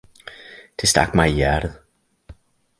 det stak mig i hjertet!